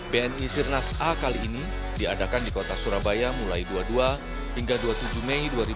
bni sirnas a kali ini diadakan di kota surabaya mulai dua puluh dua hingga dua puluh tujuh tahun